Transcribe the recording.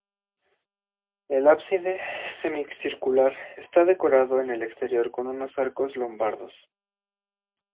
El ábside, semicircular, está decorado en el exterior con unos arcos lombardos.